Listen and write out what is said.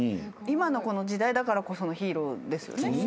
今の時代だからこそのヒーローですよね。